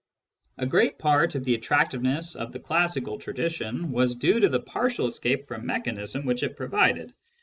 A great part of the attractiveness of the classical tradition was due to the partial escape from mechanism which it provided.